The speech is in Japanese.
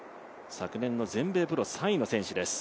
昨年の全米プロ３位の選手です。